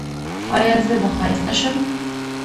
ایا زه به ښایسته شم؟